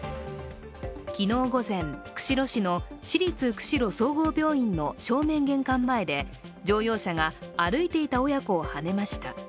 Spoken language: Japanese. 昨日午前、釧路市の市立釧路総合病院の正面玄関前で乗用車が歩いていた親子をはねました。